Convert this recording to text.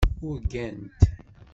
Urgant.